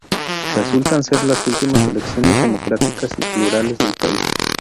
Resultan ser las últimas elecciones democráticas y plurales del país.